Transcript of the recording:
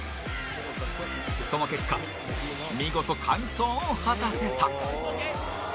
その結果見事、完走を果たせた。